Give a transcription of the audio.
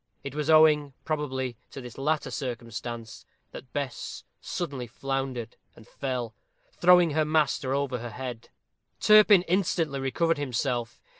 It was owing, probably, to this latter circumstance, that Bess suddenly floundered and fell, throwing her master over her head. Turpin instantly recovered himself.